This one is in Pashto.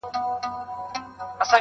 یار لیدل آب حیات دي چاته کله ور رسیږي!